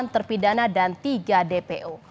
enam terpidana dan tiga dpo